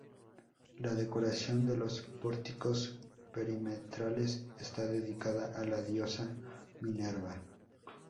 La decoración de los pórticos perimetrales está dedicada a la diosa Minerva.